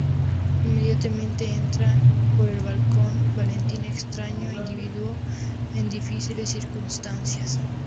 Inmediatamente entra por el balcón, Valentín, extraño individuo en difíciles circunstancias.